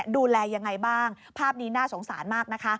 ดูแลยังไงบ้างภาพนี้น่าสงสารมากนะคะ